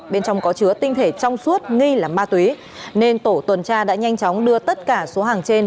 bên trong có chứa tinh thể trong suốt nghi là ma túy nên tổ tuần tra đã nhanh chóng đưa tất cả số hàng trên